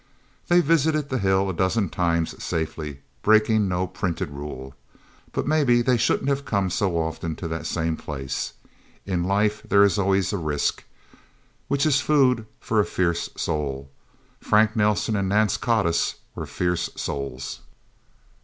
They visited the hill a dozen times safely, breaking no printed rule. But maybe they shouldn't have come so often to that same place. In life there is always a risk which is food for a fierce soul. Frank Nelsen and Nance Codiss were fierce souls.